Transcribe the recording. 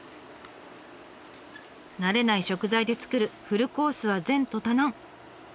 慣れない食材で作るフルコースは前途多難。